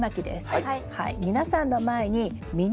はい。